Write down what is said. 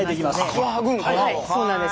そうなんです。